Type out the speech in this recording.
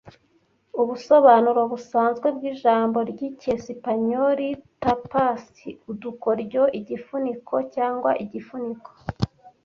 Ubusobanuro busanzwe bw'ijambo ry'icyesipanyoli tapas (udukoryo) Igifuniko cyangwa igifuniko